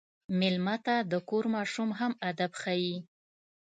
مېلمه ته د کور ماشوم هم ادب ښيي.